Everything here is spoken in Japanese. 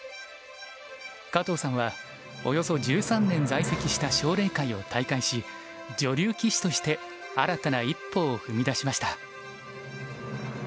加藤さんはおよそ１３年在籍した奨励会を退会し女流棋士として新たな一歩を踏み出しました。